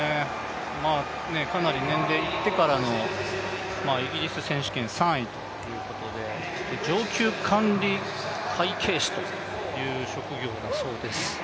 かなり年齢がいってからのイギリス選手権３位ということで上級管理会計士という職業だそうです。